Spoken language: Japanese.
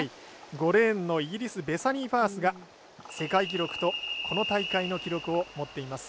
５レーンのイギリスベサニー・ファースが世界記録とこの大会の記録を持っています。